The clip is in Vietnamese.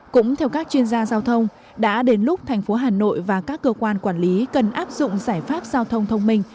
cũng theo các chuyên gia giao thông đã đến lúc thành phố hà nội và các cơ quan quản lý cần áp dụng giải pháp giao thông thông minh